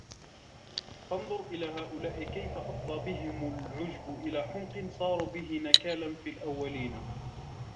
فَانْظُرْ إلَى هَؤُلَاءِ كَيْفَ أَفْضَيْ بِهِمْ الْعُجْبُ إلَى حُمْقٍ صَارُوا بِهِ نَكَالًا فِي الْأَوَّلِينَ